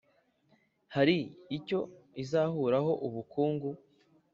Hari icyo izahuraho ubukungu